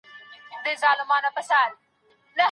آيا قاضي د خاوند او ميرمني د بيلتون واک لري؟